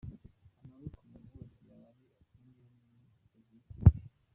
"Amabi ku muntu wese yaba muri Union Soviétique.